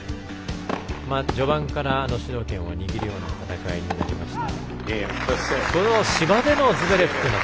序盤から主導権を握るような戦いになりました。